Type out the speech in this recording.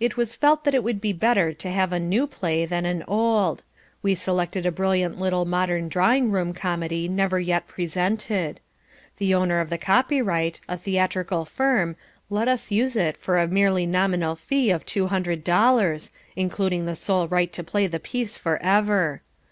It was felt that it would be better to have a new play than an old. We selected a brilliant little modern drawing room comedy never yet presented. The owner of the copyright, a theatrical firm, let us use it for a merely nominal fee of two hundred dollars, including the sole right to play the piece forever.